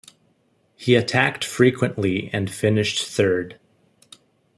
He attacked frequently and finished third.